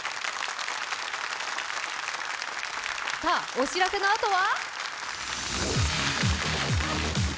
お知らせのあとは？